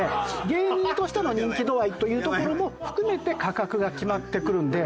芸人としての人気度合いというところも含めて価格が決まってくるんで。